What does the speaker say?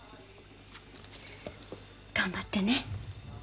頑張ってね。